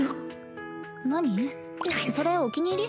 それお気に入り？